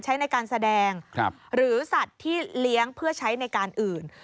ใช้ในการแสดงหรือสัตว์ที่เลี้ยงเพื่อใช้ในการอื่น